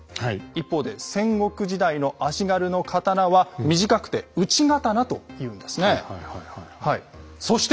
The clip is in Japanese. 一方で戦国時代の足軽の刀は短くて「打ち刀」と言うんですね。